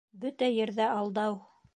Бөтә ерҙә алдау!